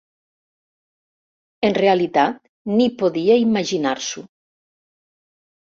En realitat, ni podia imaginar-s'ho.